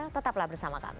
tetaplah bersama kami